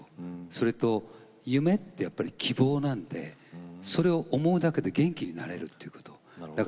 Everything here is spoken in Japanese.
それと夢って希望なのでそれを思うだけで元気になれるということ。